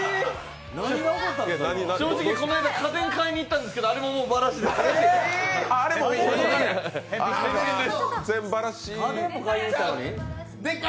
正直、この間、家電買いに行ったんですけど、あれももうバラシですか。